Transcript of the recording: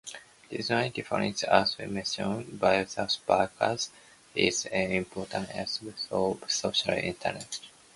Respecting differences, as mentioned by the speaker, is an important aspect of social interactions.